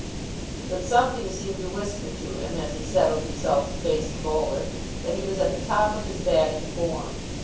But something seemed to whisper to him, as he settled himself to face the bowler, that he was at the top of his batting form.